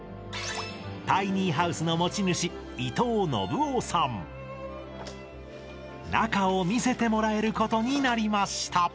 タイニーハウスの持ち主中を見せてもらえることになりました